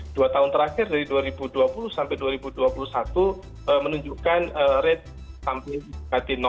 dua tahun terakhir dari dua ribu dua puluh sampai dua ribu dua puluh satu menunjukkan rate sampai